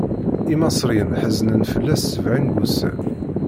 Imaṣriyen ḥeznen fell-as sebɛin n wussan.